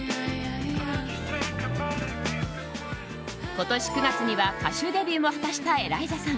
今年９月には歌手デビューも果たしたエライザさん。